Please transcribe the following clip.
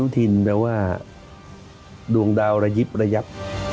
ทินแปลว่าดวงดาวระยิบระยับ